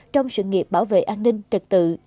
trong sự nghiệp bảo vệ an ninh trật tự